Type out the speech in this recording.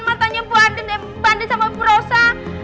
matanya mbak andien sama ibu rosa